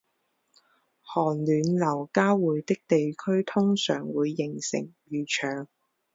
寒暖流交汇的地区通常会形成渔场